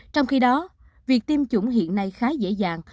trong khi đó việc tiêm chủng hiện nay khá dễ dàng